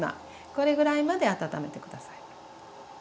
これぐらいまで温めて下さい。